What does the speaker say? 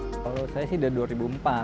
kepala seksi bisa menjadi kepala bidang masudin